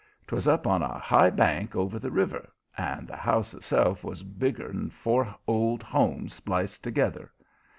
'Twas up on a high bank over the river, and the house itself was bigger than four Old Homes spliced together.